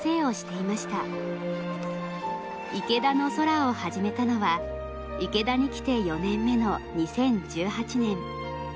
いけだのそらを始めたのは池田に来て４年目の２０１８年。